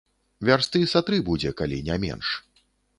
Вярсты са тры будзе, калі не менш.